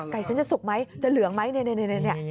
ฉันจะสุกไหมจะเหลืองไหมเนี่ย